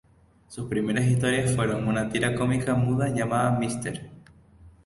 Sus primeras historietas fueron una tira cómica muda llamada "Mr.